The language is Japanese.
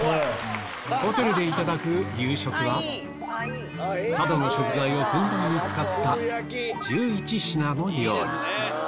ホテルでいただく佐渡の食材をふんだんに使った１１品の料理